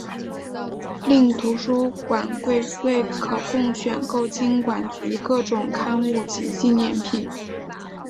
另图书馆柜位可供选购金管局各种刊物及纪念品。